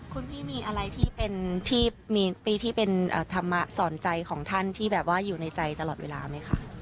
คุณพี่มีอะไรที่เป็นธรรมะสอนใจของท่านที่อยู่ในใจตลอดเวลาไหมคะ